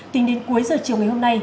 tính đến cuối giờ chiều ngày hôm nay